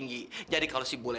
kidang dia ada strip ukuran